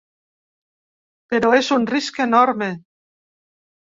Però és un risc enorme.